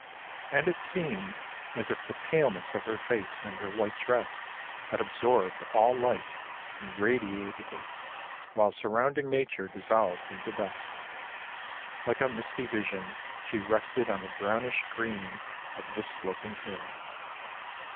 And it seemed as if the paleness of her face and her white dress had absorbed all light and radiated it, while surrounding nature dissolved into dusk. Dike a misty vision she rested on the brownish green of this sloping hill.